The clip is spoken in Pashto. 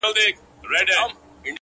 • ځغلول يې موږكان تر كور او گوره,